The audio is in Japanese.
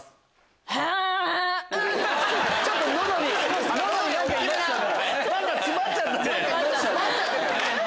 ちょっと喉に喉に何かいましたね。